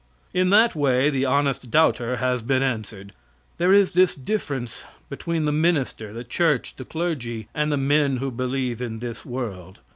In that way the honest doubter has been answered. There is this difference between the minister, the church, the clergy, and the men who believe in this world.